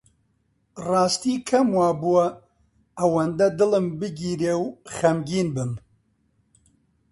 ڕاستی کەم وا بووە ئەوەندە دڵم بگیرێ و خەمگین بم